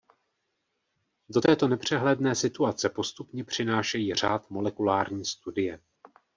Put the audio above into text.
Do této nepřehledné situace postupně přinášejí řád molekulární studie.